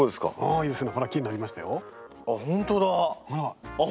いいですね。